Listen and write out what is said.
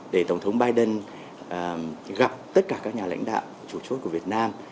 để tổng thống biden gặp tất cả các nhà lãnh đạo chủ chốt của việt nam